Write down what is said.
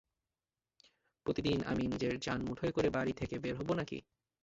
প্রতিদিন আমি নিজের জান মুঠোয় করে বাড়ি থেকে বের হবো না-কি?